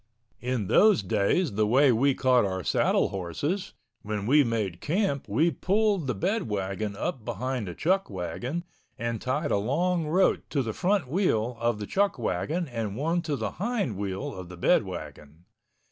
In those days the way we caught our saddle horses, when we made camp we pulled the bedwagon up behind the chuckwagon and tied a long rope to the front wheel of the chuckwagon and one to the hind wheel of the bedwagon.